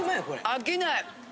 飽きない。